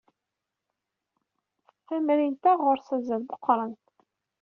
Tamrint-a ɣur-s azal meqqren.